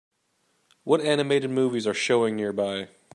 What animated movies are showing nearby